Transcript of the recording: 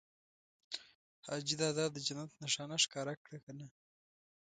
حاجي دادا د جنت نښانه ښکاره کړه که نه؟